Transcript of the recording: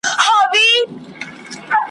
یو څه وخت یې په ځالۍ کي لویومه ,